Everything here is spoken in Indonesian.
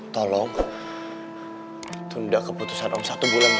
tolong tunda keputusan om satu bulan